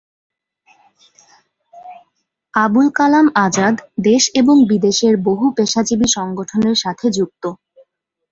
আবুল কালাম আজাদ দেশ এবং বিদেশের বহু পেশাজীবী সংগঠনের সাথে যুক্ত।